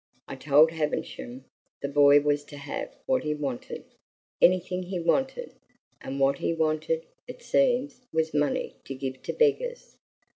"I told Havisham the boy was to have what he wanted anything he wanted and what he wanted, it seems, was money to give to beggars."